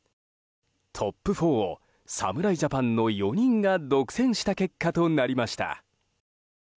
トップ４を侍ジャパンの４人が独占した結果となりました。